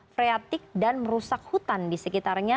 kawah ini terjadi dan merusak hutan di sekitarnya